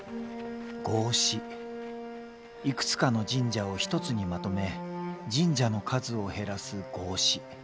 いくつかの神社を一つにまとめ神社の数を減らす合祀。